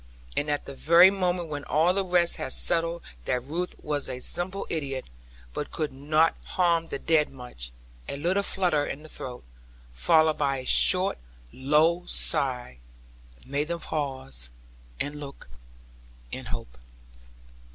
And at the very moment when all the rest had settled that Ruth was a simple idiot, but could not harm the dead much, a little flutter in the throat, followed by a short low sigh, made them pause, and look and hope.